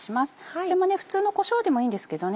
これも普通のコショウでもいいんですけどね